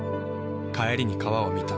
帰りに川を見た。